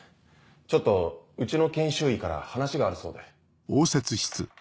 ちょっとうちの研修医から話があるそうで。